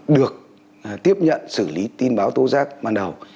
được tiếp nhận xử lý tin báo tố giác ban đầu